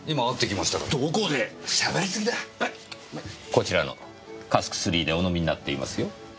こちらの「Ｃａｓｋ」でお飲みになっていますよ。